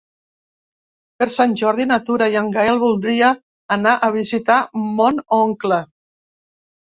Per Sant Jordi na Tura i en Gaël voldria anar a visitar mon oncle.